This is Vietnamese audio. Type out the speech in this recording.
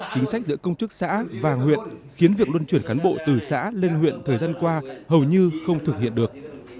chính sách giữa công chức xã và huyện khiến việc luân chuyển cán bộ từ xã lên huyện thời gian qua hầu như không thực hiện được